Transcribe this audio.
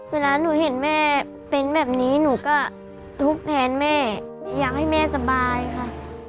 เวลาหนูเห็นแม่เป็นแบบนี้หนูก็ทุบแทนแม่อยากให้แม่สบายค่ะ